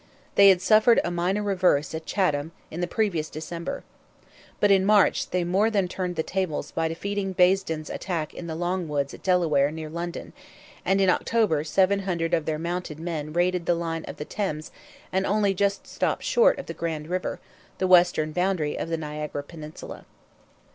They had suffered a minor reverse at Chatham in the previous December. But in March they more than turned the tables by defeating Basden's attack in the Longwoods at Delaware, near London; and in October seven hundred of their mounted men raided the line of the Thames and only just stopped short of the Grand River, the western boundary of the Niagara peninsula.